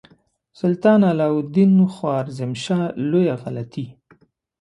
سلطان علاء الدین خوارزمشاه لویه غلطي.